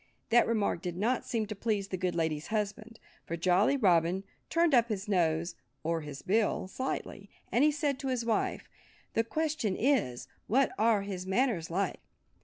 That remark did not seem to please the good lady's husband. For Jolly Robin turned up his nose—or his bill—slightly, and he said to his wife, "The question is: What are his manners like?"